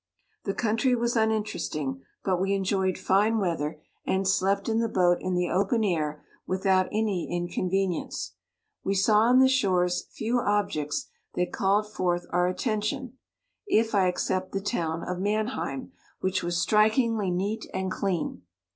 The country was uninteresting, but we enjoyed fine weather, and slept in the boat in the open air without any 65 inconvenience* We saw on the shores few objects that called forth our atten tion, if I except the town of Manheim, which was strikingly neat and clean.